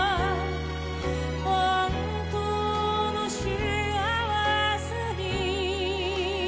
ほんとうのしあわせに